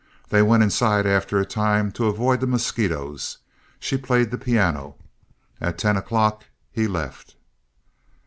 They went inside after a time to avoid the mosquitoes. She played the piano. At ten o'clock he left.